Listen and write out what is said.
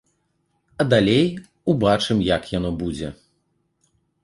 А далей убачым, як яно будзе.